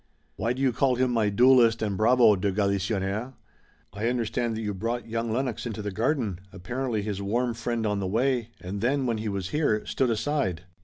"Why do you call him my duelist and bravo, de Galisonnière?" "I understand that you brought young Lennox into the garden, apparently his warm friend on the way, and then when he was here, stood aside."